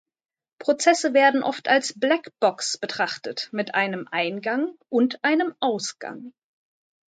Prozesse werden oft als „Black-Box“ betrachtet, mit einem "Eingang" und einem "Ausgang".